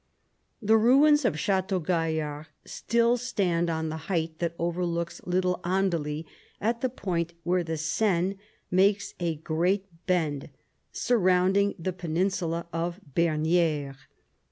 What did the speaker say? The ruins of Chateau Gaillard still stand on the height that overlooks Little Andely at the point where the Seine makes a great bend, surrounding the peninsula of Bernieres.